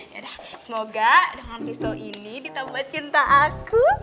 yaudah semoga dengan pistol ini ditambah cinta aku